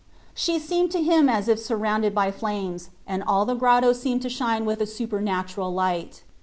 She seemed to him as if surrounded by flames, and all the grotto seemed to shine with a super natural light.